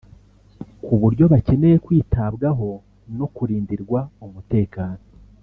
ku buryo bakeneye kwitabwaho no kurindirwa umutekano